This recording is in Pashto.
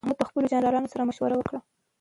شاه محمود د خپلو جنرالانو سره مشوره وکړه.